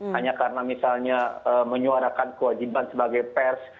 hanya karena misalnya menyuarakan kewajiban sebagai pers